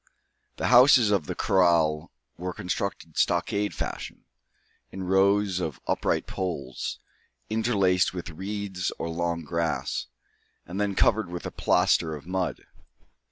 The houses of the kraal were constructed stockade fashion, in rows of upright poles, interlaced with reeds or long grass, and then covered with a plaster of mud.